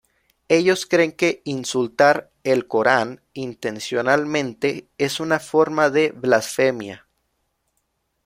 Ellos creen que insultar el Corán intencionalmente es una forma de blasfemia.